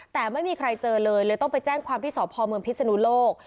แต่ไม่มีใครเจอเลยเลยต้องไปแจ้งความที่สพเมืองพิศนุโลก